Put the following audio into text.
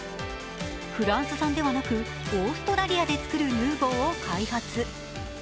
フランス産ではなく、オーストラリアで作るヌーボーを開発。